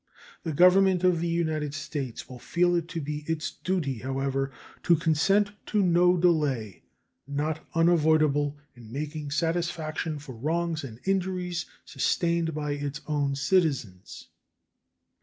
The Government of the United States will feel it to be its duty, however, to consent to no delay not unavoidable in making satisfaction for wrongs and injuries sustained by its own citizens.